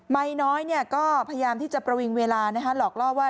ไม้น้อยก็พยายามที่จะประวิงเวลาหลอกล่อว่า